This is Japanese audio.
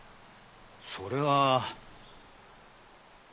それは。